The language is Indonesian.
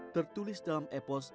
tertulis dalam epos